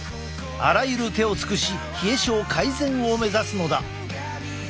あらゆる手を尽くし冷え症改善を目指すのだ。